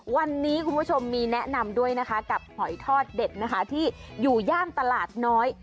วันนี้คุณผู้ชมมีแนะนำด้วยนะคะกับหอยทอดเด็ดนะคะที่อยู่ย่านตลาดน้อย